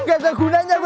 nggak kegunaan banget